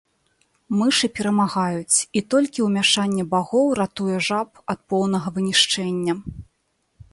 Мышы перамагаюць, і толькі умяшанне багоў ратуе жаб ад поўнага вынішчэння.